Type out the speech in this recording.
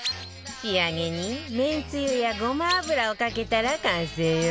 仕上げにめんつゆやごま油をかけたら完成よ